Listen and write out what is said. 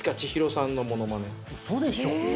・嘘でしょ？